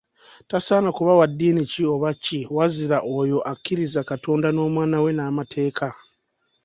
Tasaana kuba wa ddiini ki oba ki, wazira oyo akkiriza Katonda n'Omwana we n'amateeka.